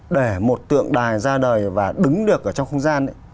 để một tượng đài ra đời và đứng được ở trong không gian